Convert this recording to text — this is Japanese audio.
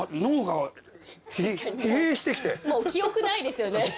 もう記憶ないですよね。